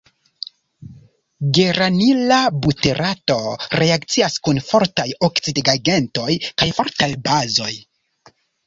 Geranila buterato reakcias kun fortaj oksidigagentoj kaj fortaj bazoj.